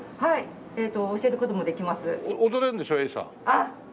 あっ。